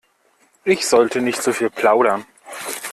Ich sollte nicht so viel plaudern.